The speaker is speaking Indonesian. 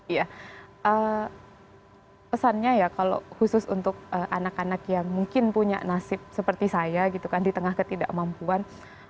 iya pesannya ya kalau khusus untuk anak anak yang mungkin punya nasib seperti saya gitu kan di tengah ketidakmampuan